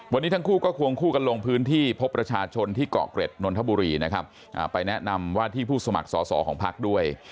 วันนี้ทั้งคู่ก็ควงคู่กันลงพื้นที่พบประชาชนที่เกาะเกร็ดนนทบุรีนะครับไปแนะนำว่าที่ผู้สมัครสอสอของพักด้วย